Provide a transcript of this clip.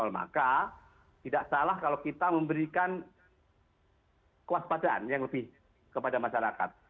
maka tidak salah kalau kita memberikan kewaspadaan yang lebih kepada masyarakat